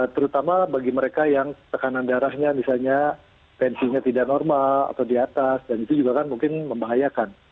terutama bagi mereka yang tekanan darahnya misalnya tensinya tidak normal atau di atas dan itu juga kan mungkin membahayakan